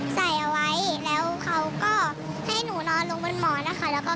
ใส่เอาไว้แล้วเขาก็ให้หนูนอนลงบนหมอนนะคะ